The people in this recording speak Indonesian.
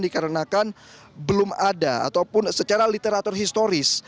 dikarenakan belum ada ataupun secara literatur historis